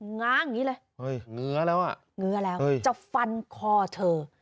ง้าอย่างงี้เลยเหนือแล้วจะฟันคอเธอ